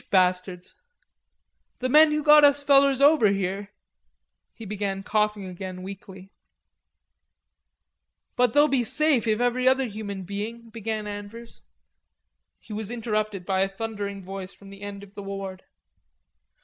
"Which bastards?" "The men who got us fellers over here." He began coughing again weakly. "But they'll be safe if every other human being...." began Andrews. He was interrupted by a thundering voice from the end of the ward.